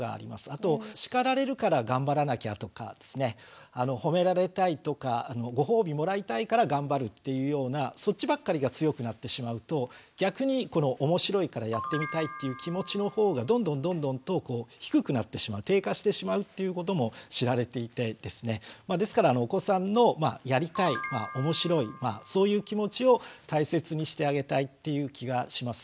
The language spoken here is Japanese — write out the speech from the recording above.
あと叱られるから頑張らなきゃとかですねほめられたいとかご褒美もらいたいから頑張るっていうようなそっちばっかりが強くなってしまうと逆に面白いからやってみたいっていう気持ちの方がどんどんどんどんと低くなってしまう低下してしまうっていうことも知られていてですねですからお子さんの「やりたい」「おもしろい」そういう気持ちを大切にしてあげたいっていう気がします。